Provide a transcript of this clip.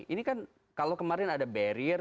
ini kan kalau kemarin ada barrier